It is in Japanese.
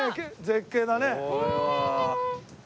絶景だね。